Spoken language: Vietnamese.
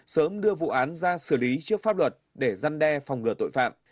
sớm đưa vụ án ra xử lý trước pháp luật để giăn đe phòng ngừa tội phạm